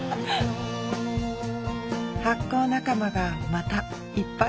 発酵仲間がまたいっぱい増えました。